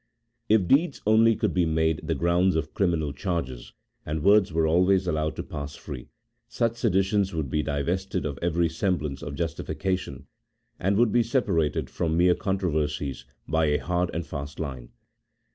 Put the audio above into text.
If deeds only could be made the grounds of criminal charges, and words were always allowed to pass free, such seditions would be divested of every semblance of justification, and would be separated from mere controversies by a hard and fast line.